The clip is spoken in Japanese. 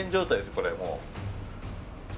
これもう。